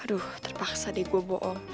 aduh terpaksa deh gue bohong